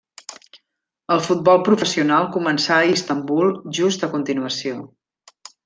El futbol professional començà a Istanbul just a continuació.